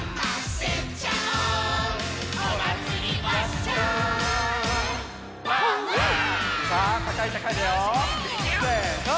せの！